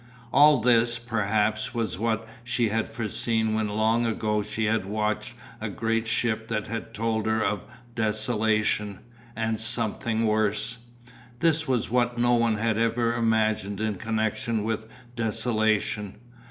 All this, perhaps, was what she had foreseen when long ago she had watched a great ship that had told her of Desolation and something worse. This was what no one had ever imagined in connection with Desolation.